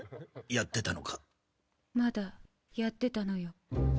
まだ、やってたのよ。